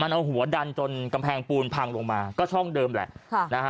มันเอาหัวดันจนกำแพงปูนพังลงมาก็ช่องเดิมแหละ